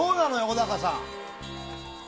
小高さん。